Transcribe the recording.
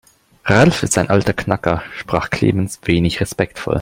Ralf ist ein alter Knacker, sprach Clemens wenig respektvoll.